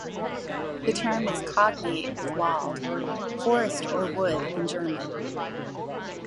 The term is cognate with "Wald", forest or wood in German.